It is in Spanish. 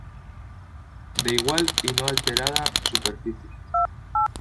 De igual y no alterada superficie.